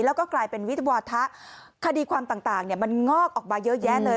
แล้วก็กลายเป็นวิทวาถะคดีความต่างมันงอกออกมาเยอะแยะเลย